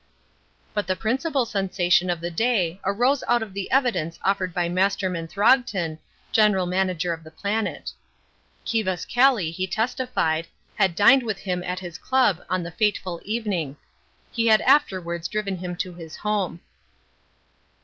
But the principal sensation of the day arose out of the evidence offered by Masterman Throgton, general manager of the Planet. Kivas Kelly, he testified, had dined with him at his club on the fateful evening. He had afterwards driven him to his home.